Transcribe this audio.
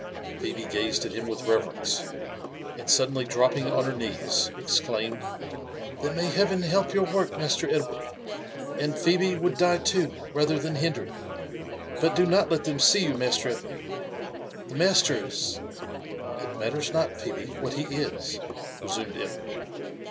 Phebe gazed at him with reverence, and suddenly dropping on her knees, exclaimed, *• Then may Heaven help your work, Master Edward ! And Phebe would die too, rather than hinder it : but do not let them see you. Master Edward — the master is ——" It matters not, Phebe, what he is," resumed Edward.